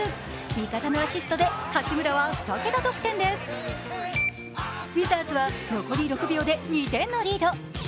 味方のアシストで八村は８得点ですウィザーズは残り６秒で２点のリード。